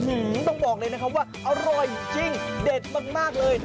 ต้องบอกเลยนะครับว่าอร่อยจริงเด็ดมากเลย